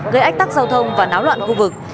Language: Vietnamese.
gây ách tắc giao thông và náo loạn khu vực